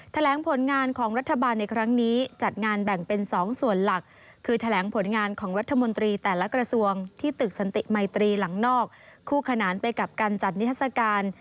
แถลงผลงานของรัฐบาลในครั้งนี้จัดงานแบ่งเป็น๒ส่วนหลักคือแถลงผลงานของรัฐมนตรีแต่ละกระทรวงที่ตึกสันติมัยตรีหลังนอกคู่ขนานไปกับการจัดนิทัศกาล